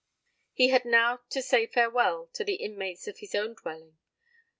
He had now to say farewell to the inmates of his own dwelling.